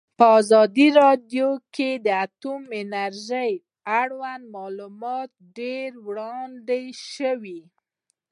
په ازادي راډیو کې د اټومي انرژي اړوند معلومات ډېر وړاندې شوي.